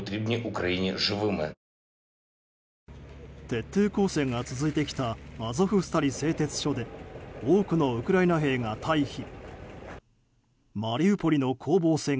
徹底抗戦が続いてきたアゾフスタリ製鉄所で多くのウクライナ兵が退避。